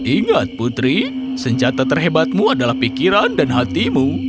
ingat putri senjata terhebatmu adalah pikiran dan hatimu